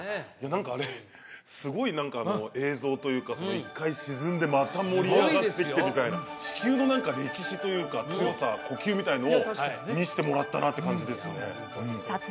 何かあれすごい映像というか１回沈んでまた盛り上がってきてみたいな地球の歴史というか強さ呼吸みたいなのを見してもらったなという感じですねさあ